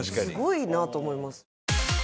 すごいなと思います。